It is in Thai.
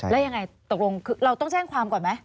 แล้วยังไงตกลงเราต้องแจ้งความก่อนไหม